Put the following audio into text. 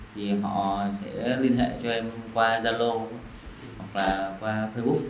thì họ sẽ liên hệ cho em qua zalo hoặc là qua facebook